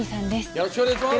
よろしくお願いします。